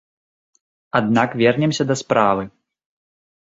Аднак вернемся да справы.